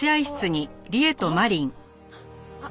あっ。